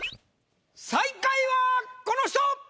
最下位はこの人！